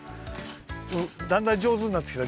だんだんじょうずになってきた。